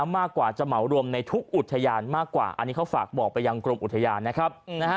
มากกว่าจะเหมารวมในทุกอุทยานมากกว่าอันนี้เขาฝากบอกไปยังกรมอุทยานนะครับ